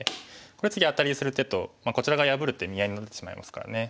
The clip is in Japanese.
これ次アタリにする手とこちら側破る手見合いになってしまいますからね。